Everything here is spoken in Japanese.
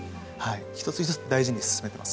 １つ１つ大事に進めています。